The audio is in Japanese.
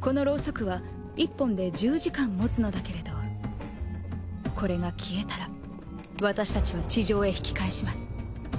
このロウソクは１本で１０時間もつのだけれどこれが消えたら私たちは地上へ引き返します。